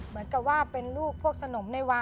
เหมือนกับว่าเป็นลูกพวกสนมในวา